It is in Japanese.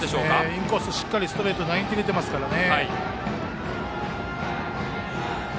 インコース、しっかりストレートを投げ切れていますね。